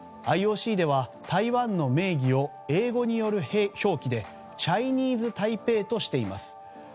ＩＯＣでは台湾の名義を英語による表記でチャイニーズ・タイペイとしています。